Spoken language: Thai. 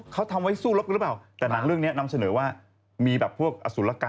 เขาทำเป็นหนังมาให้ดู